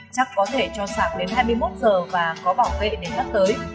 chắc có thể cho xạc đến hai mươi một h và có bảo vệ đến tất tới